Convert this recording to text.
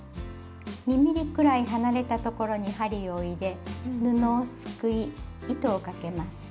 ２ｍｍくらい離れた所に針を入れ布をすくい糸をかけます。